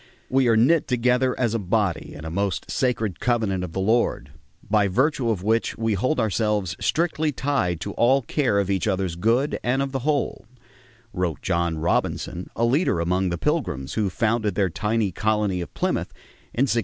"We are knit together as a body in a most sacred covenant of the Lord ... by virtue of which we hold ourselves strictly tied to all care of each other's good and of the whole," wrote John Robinson, a leader among the Pilgrims who founded their tiny colony of Plymouth in 1620.